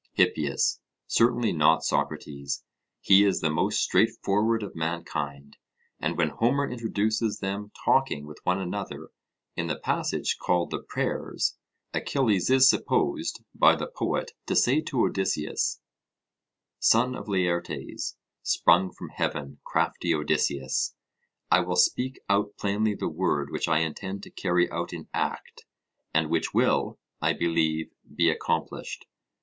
HIPPIAS: Certainly not, Socrates; he is the most straight forward of mankind, and when Homer introduces them talking with one another in the passage called the Prayers, Achilles is supposed by the poet to say to Odysseus: 'Son of Laertes, sprung from heaven, crafty Odysseus, I will speak out plainly the word which I intend to carry out in act, and which will, I believe, be accomplished.